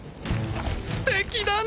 すてきだね